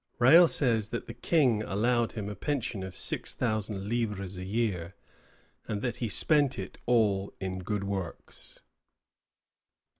Rale says that the King allowed him a pension of six thousand livres a year, and that he spent it all "in good works."